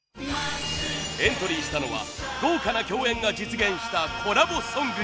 エントリーしたのは豪華な共演が実現したコラボソングに。